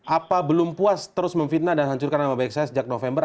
apa belum puas terus memfitnah dan hancurkan nama baik saya sejak november